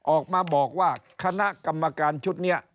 ออกมาบอกว่าคณะกรรมการชุดนี้